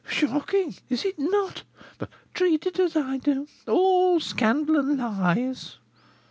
"Shocking! Is it not? But treat it as I do, all scandal and lies.